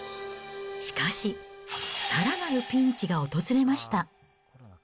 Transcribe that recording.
しかし、さらなるピンチが訪れました。